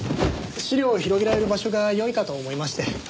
資料を広げられる場所が良いかと思いまして。